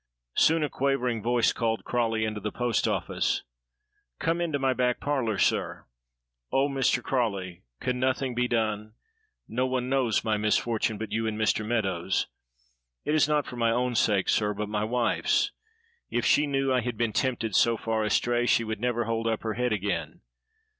Soon a quavering voice called Crawley into the post office. "Come into my back parlor, sir. Oh! Mr. Crawley, can nothing be done? No one knows my misfortune but you and Mr. Meadows. It is not for my own sake, sir, but my wife's. If she knew I had been tempted so far astray, she would never hold up her head again.